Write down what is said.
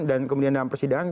dan kemudian dalam persidangan